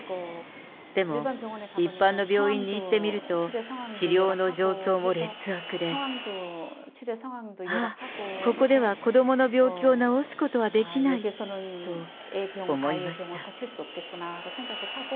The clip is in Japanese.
でも、一般の病院に行ってみると、治療の状況も劣悪で、ああ、ここでは子どもの病気を治すことはできないと思いました。